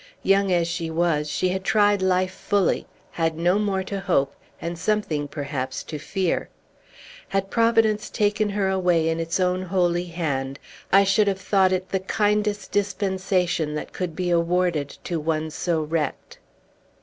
Young as she was, she had tried life fully, had no more to hope, and something, perhaps, to fear. Had Providence taken her away in its own holy hand, I should have thought it the kindest dispensation that could be awarded to one so wrecked."